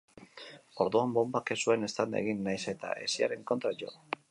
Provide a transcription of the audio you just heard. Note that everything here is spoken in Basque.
Orduan bonbak ez zuen eztanda egin, nahiz eta hesiaren kontra jo.